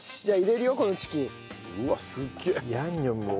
じゃあ入れるよこのチキン。